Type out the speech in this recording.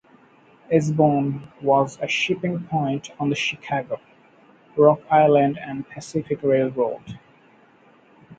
Esbon was a shipping point on the Chicago, Rock Island and Pacific Railroad.